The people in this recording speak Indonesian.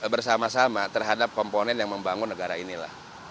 bersama sama terhadap komponen yang membangun negara inilah